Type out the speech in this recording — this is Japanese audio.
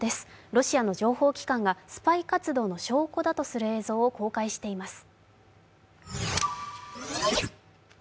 ロシアの情報機関がスパイ活動の証拠だとする映像を公開しています。